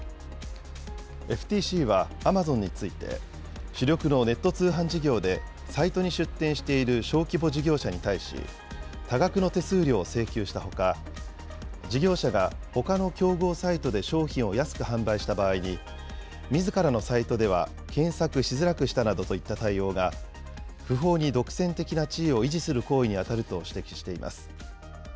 ＦＴＣはアマゾンについて、主力のネット通販事業でサイトに出店している小規模事業者に対し、多額の手数料を請求したほか、事業者がほかの競合サイトで商品を安く販売した場合に、みずからのサイトでは、検索しづらくしたなどといった対応が、不法に独占的な地位を維持する行為に当たると指摘しています。